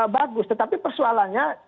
bagus tetapi persoalannya